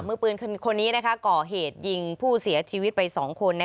มือปืนคนนี้ก่อเหตุยิงผู้เสียชีวิตไป๒คน